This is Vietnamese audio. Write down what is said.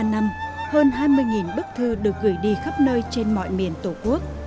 một mươi năm năm hơn hai mươi bức thư được gửi đi khắp nơi trên mọi miền tổ quốc